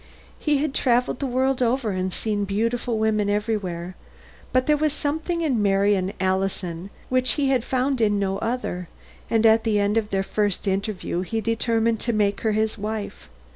"He had traveled the world over and seen beautiful women everywhere; but there was something in Marion Allison which he had found in no other, and at the end of their first interview he determined to make her his wife.